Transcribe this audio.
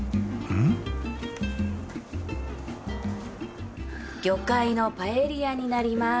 ん？魚介のパエリアになります。